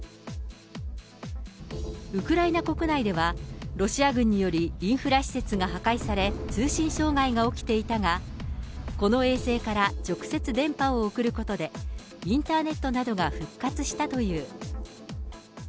ウクライナ国内では、ロシア軍によりインフラ施設が破壊され、通信障害が起きていたが、この衛星から直接電波を送ることで、インターネットなどが復活したという。